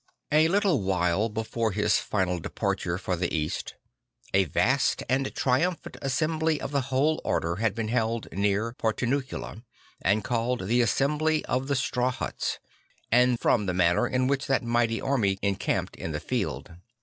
A little while before his final departure for the East a vast and triumphant assembly of the whole order had been held near the Portiuncula; and called The Assembly of the Straw Huts, from the manner in which that mighty army encamped in the field.